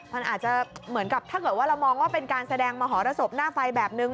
มันอาจจะเหมือนกับถ้าเกิดว่าเรามองว่าเป็นการแสดงมหรสบหน้าไฟแบบนึง